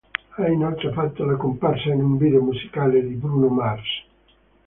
Ha inoltre fatto la comparsa in un video musicale di Bruno Mars.